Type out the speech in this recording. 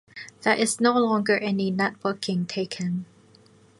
There is no longer any networking taken.